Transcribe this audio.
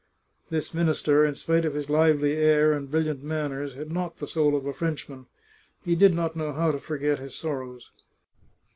" This minister, in spite of his lively air and brilliant manners, had not the soul of a Frenchman. He did not know how to forget his sorrows.